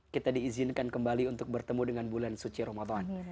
kita diizinkan kembali untuk bertemu dengan bulan suci ramadan